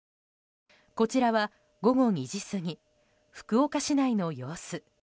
こちらは午後２時過ぎ福岡市内の様子。